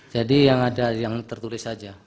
jadi yang ada yang tertulis saja